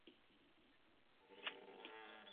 ازادي راډیو د ورزش په اړه د روغتیایي اغېزو خبره کړې.